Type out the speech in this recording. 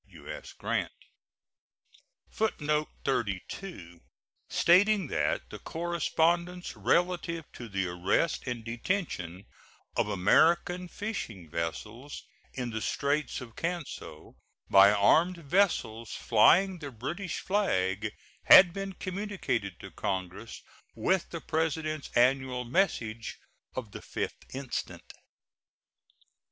U.S. GRANT. [Footnote 32: Stating that the correspondence relative to the arrest and detention of American fishing vessels in the Straits of Canso by armed vessels flying the British flag had been communicated to Congress with the President's annual message on the 5th instant.